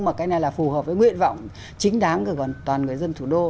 mà cái này là phù hợp với nguyện vọng chính đáng của toàn người dân thủ đô